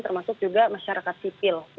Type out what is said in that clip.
termasuk juga masyarakat sipil